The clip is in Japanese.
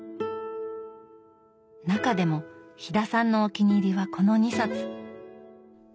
中でも飛田さんのお気に入りはこの２冊。